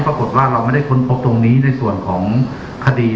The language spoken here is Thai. ปรากฏว่าเราไม่ได้ค้นพบตรงนี้ในส่วนของคดี